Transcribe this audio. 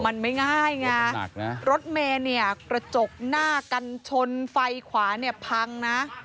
มันไม่ง่ายไงเนี่ยแล้วเตำหนักเนี้ยรถเมเนี่ยกระจกหน้ากั้นชนไฟขวานี่พังน่ะ